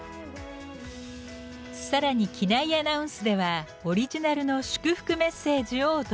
さらに機内アナウンスではオリジナルの祝福メッセージをお届け！